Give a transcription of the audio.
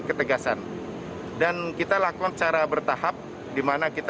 ketegasan dan kita lakukan secara bertahap dimana kita